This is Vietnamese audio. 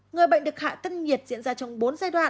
người bệnh được hạ tân nhiệt diễn ra trong bốn giai đoạn